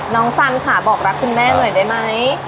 สันค่ะบอกรักคุณแม่หน่อยได้ไหม